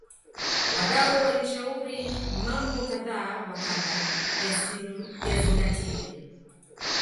wadau walishauri mambo kadha wa kadha yazingatiwe